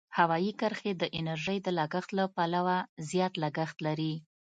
هوایي کرښې د انرژۍ د لګښت له پلوه زیات لګښت لري.